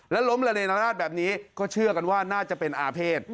แล้วล้มระเนรนาศแบบนี้ก็เชื่อกันว่าน่าจะเป็นอาเภษ